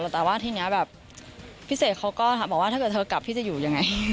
แต่ว่าทีนี้แบบพี่เสกเขาก็บอกว่าถ้าเกิดเธอกลับพี่จะอยู่ยังไง